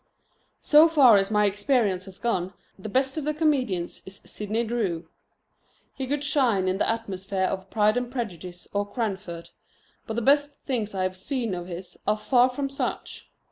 So far as my experience has gone, the best of the comedians is Sidney Drew. He could shine in the atmosphere of Pride and Prejudice or Cranford. But the best things I have seen of his are far from such.